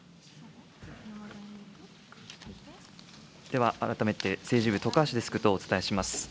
では、改めて政治部、徳橋デスクとお伝えします。